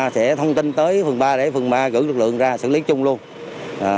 để thông tin tới phường ba để phường ba gửi lực lượng ra xử lý chung luôn